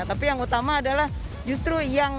tapi yang utama adalah justru yang